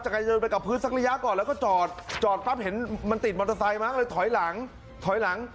เดินไปกับพื้นสักระยะก่อนแล้วก็จอดจอดปั๊บเห็นมันติดมอเตอร์ไซค์มั้งเลยถอยหลังถอยหลัง